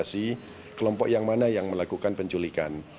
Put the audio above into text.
kita sudah spekulasi kelompok yang mana yang melakukan penculikan